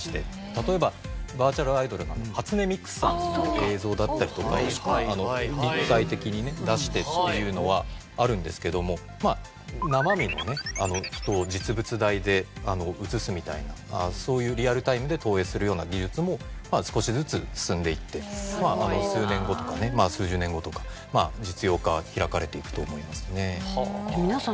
例えばバーチャルアイドルの初音ミクさんの映像だったりとかを立体的に出してっていうのはあるんですけどもまあ生身のね人を実物大で映すみたいなそういうリアルタイムで投影するような技術も少しずつ進んでいって数年後とかね数十年後とか実用化は開かれていくと思いますね。